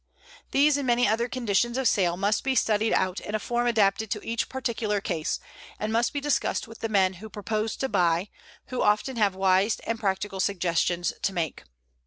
These and many other conditions of sale must be studied out in a form adapted to each particular case, and must be discussed with the men who propose to buy, who often have wise and practical suggestions to make.